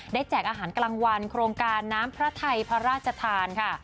แจกอาหารกลางวันโครงการน้ำพระไทยพระราชทานค่ะ